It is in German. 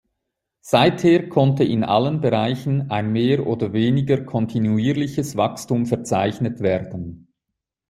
Seither konnte in allen Bereichen ein mehr oder weniger kontinuierliches Wachstum verzeichnet werden.